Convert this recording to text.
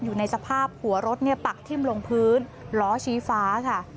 อยู่ในสภาพหัวรถปักทิ้มลงพื้นล้อชี้ฟ้าค่ะ